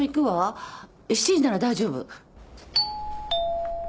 ７時なら大丈夫。